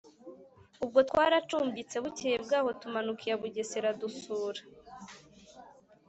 Ubwo twaracumbitse, bukeye bwaho tumanuka iya Bugesera, dusura